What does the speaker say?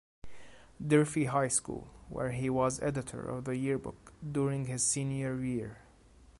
Durfee High School, where he was editor of the yearbook during his senior year.